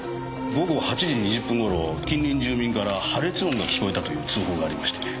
午後８時２０分頃近隣住民から破裂音が聞こえたという通報がありまして。